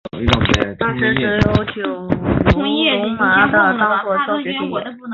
当时只有九龙油麻地作教学地点。